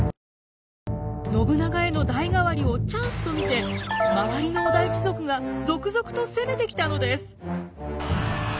信長への代替わりをチャンスと見て周りの織田一族が続々と攻めてきたのです。